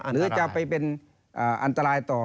หรือจะไปเป็นอันตรายต่อ